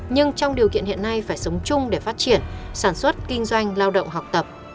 nhưng trong điều kiện hiện nay phải sống chung để phát triển sản xuất kinh doanh lao động học tập